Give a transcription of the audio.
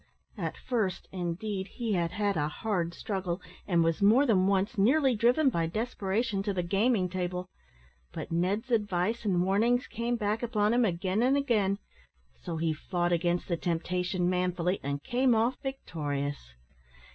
At first, indeed, he had had a hard struggle, and was more than once nearly driven, by desperation, to the gaming table, but Ned's advice and warnings came back upon him again and again so he fought against the temptation manfully, and came off victorious.